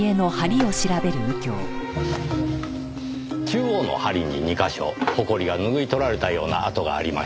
中央の梁に２カ所ほこりがぬぐい取られたような跡がありました。